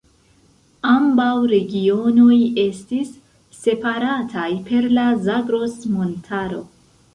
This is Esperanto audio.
Ambaŭ regionoj estis separataj per la Zagros-montaro.